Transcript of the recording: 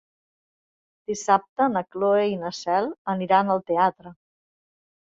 Dissabte na Cloè i na Cel aniran al teatre.